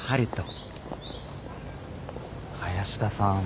林田さん